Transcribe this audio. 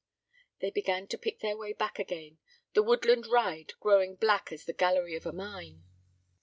They began to pick their way back again, the woodland "ride" growing black as the gallery of a mine.